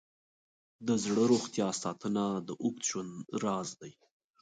د زړه روغتیا ساتنه د اوږد ژوند راز دی.